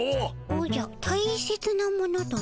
おじゃたいせつなものとな？